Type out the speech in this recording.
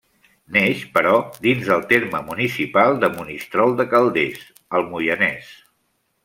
Neix, però, dins del terme municipal de Monistrol de Calders, al Moianès.